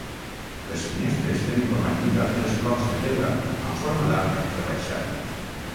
Les finestres tenen com a llinda tres blocs de pedra amb forma d'arc rebaixat.